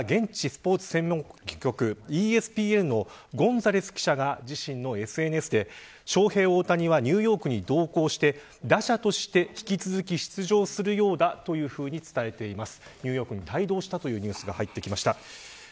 これは現地スポーツ紙の記者が自身のＳＮＳでショウヘイ・オオタニはニューヨークに同行して打者として、引き続き出場するようだというふうに伝えています。